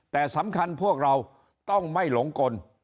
แต่สำคัญพวกเราต้องไม่หลงกล